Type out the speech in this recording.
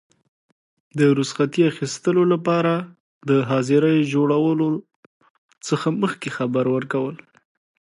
د رخصتي اخیستلو لپاره د حاضرۍ جوړولو څخه مخکي خبر ورکول.